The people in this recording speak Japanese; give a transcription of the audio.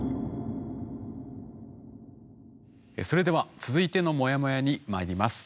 それでは続いてのモヤモヤにまいります。